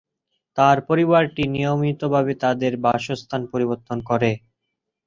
তার পরিবারটি নিয়মিতভাবে তাদের বাসস্থান পরিবর্তন করে।